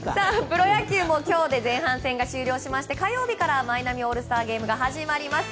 プロ野球も今日で前半戦が終了しまして火曜日からはマイナビオールスターゲームが始まります。